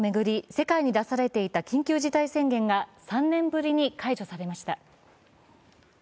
世界に出されていた緊急事態宣言が３年ぶりに解除されました。